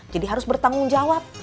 jadi harus bertanggung jawab